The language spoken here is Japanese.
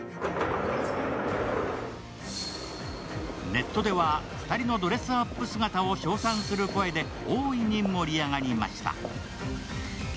ネットでは、２人のドレスアップ姿を称賛する声で大いに盛り上がりました。